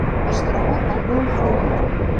Es troba al Golf d'Oman.